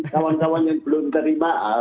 kawan kawan yang belum terima